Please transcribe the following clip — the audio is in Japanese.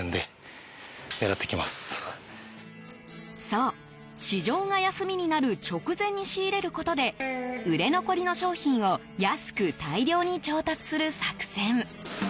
そう、市場が休みになる直前に仕入れることで売れ残りの商品を安く大量に調達する作戦。